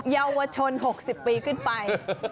เยาวชน๖๐ปีขึ้นไป